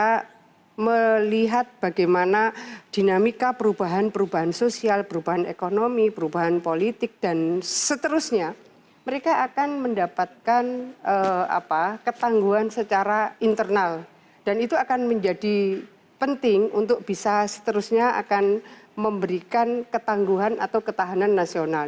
kita melihat bagaimana dinamika perubahan perubahan sosial perubahan ekonomi perubahan politik dan seterusnya mereka akan mendapatkan ketangguhan secara internal dan itu akan menjadi penting untuk bisa seterusnya akan memberikan ketangguhan atau ketahanan nasional